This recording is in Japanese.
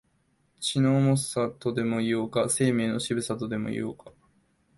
血の重さ、とでも言おうか、生命の渋さ、とでも言おうか、